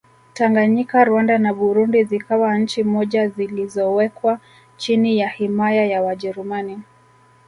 Tanganyika Rwanda na Burundi zikawa nchi moja zilizowekwa chini ya himaya ya Wajerumani